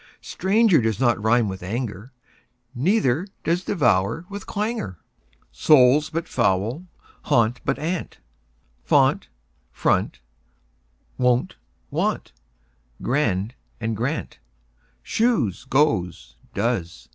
Stranger does not rime with anger, Neither does devour with clangour. Soul, but foul and gaunt, but aunt; Font, front, wont; want, grand, and, grant, Shoes, goes, does.